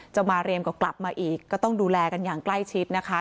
จะมาเรียนก็กลับมาอีกก็ต้องดูแลกันอย่างใกล้ชิดนะคะ